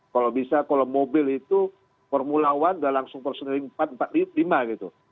kalau bisa kalau mobil itu formulawan gak langsung personelin empat empat lima gitu